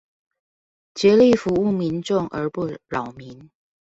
竭力服務民眾而不擾民